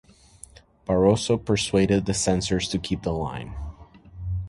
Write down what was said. Barroso persuaded the censors to keep the line.